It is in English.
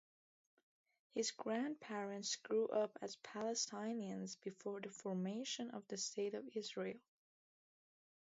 His grandparents grew up as Palestinians before the formation of the state of Israel.